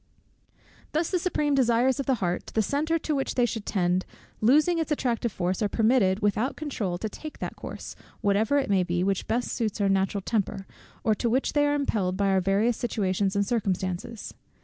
Thus the supreme desires of the heart, the center to which they should tend, losing its attractive force, are permitted without controul to take that course, whatever it may be, which best suits our natural temper, or to which they are impelled by our various situations and circumstances.